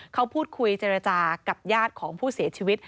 เขาพูดคุยเจรจากับญาติของผู้เสียชีวิต